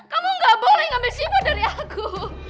kamu gak boleh ngambil sibuk dari aku